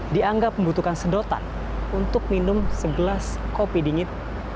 dianggap membutuhkan sedotan untuk minum segelas kopi dingin